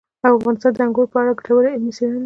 افغانستان د انګورو په اړه ګټورې علمي څېړنې لري.